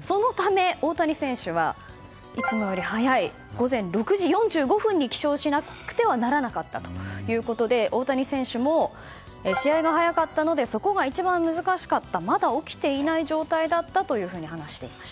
そのため、大谷選手はいつもより早い午前６時４５分に起床しなくてはならなかったということで大谷選手も試合が早かったのでそこが一番難しかったまだ起きていない状態だったと話していました。